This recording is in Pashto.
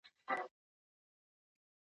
ښه زړه ښه دوستي زېږوي